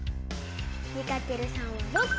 ２かける３は６こ。